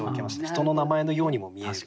人の名前のようにも見える。